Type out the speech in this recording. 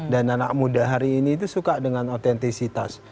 dan anak muda hari ini itu suka dengan otentisitas